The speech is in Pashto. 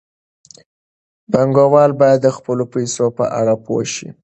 پانګوال باید د خپلو پیسو په اړه پوه شي.